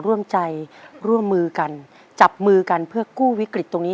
ร่วมใจร่วมมือกันจับมือกันเพื่อกู้วิกฤตตรงนี้